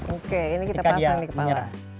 oke ini kita pasang di kepala